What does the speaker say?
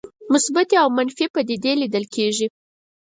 مثبتې او منفي پدیدې لیدل کېږي.